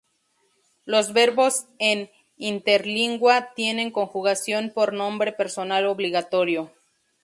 Los verbos en interlingua tienen conjugación por pronombre personal obligatorio.